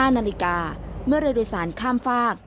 ๕นาฬิกาเมื่อเรือโดยสารข้ามฝาก